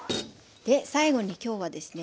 最後に今日はですね